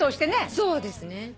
そうですね。